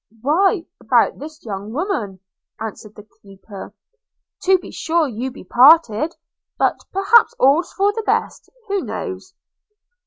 – 'Why, about this young woman,' answered the keeper: 'to be sure you be parted, but perhaps all's for the best; who knows?'